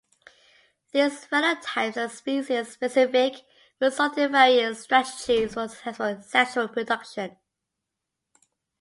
These phenotypes are species specific, resulting in varying strategies for successful sexual reproduction.